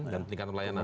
dan peningkatan pelayanan